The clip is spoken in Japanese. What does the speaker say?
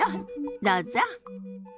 どうぞ。